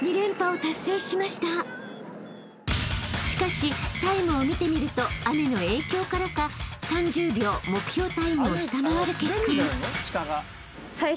［しかしタイムを見てみると雨の影響からか３０秒目標タイムを下回る結果に］